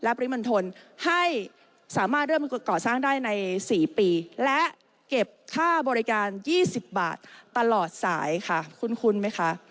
ปริมณฑลให้สามารถเริ่มก่อสร้างได้ใน๔ปีและเก็บค่าบริการ๒๐บาทตลอดสายค่ะคุ้นไหมคะ